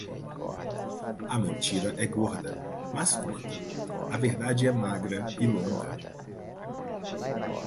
A mentira é gorda, mas curta; A verdade é magra e longa.